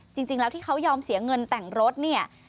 จริงแล้วที่เขายอมเสียเงินแต่งรถเนี่ย